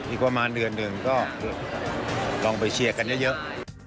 อีกประมาณเดือนหนึ่งก็ลองไปเชียร์กันเยอะ